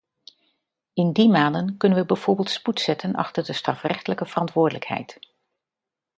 In die maanden kunnen we bijvoorbeeld spoed zetten achter de strafrechtelijke verantwoordelijkheid.